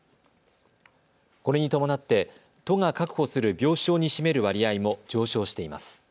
これに伴って都が確保する病床に占める割合も上昇しています。